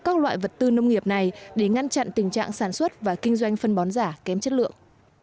các loại vật tư nông nghiệp này để ngăn chặn tình trạng sản xuất và kinh doanh phân bón giả kém chất lượng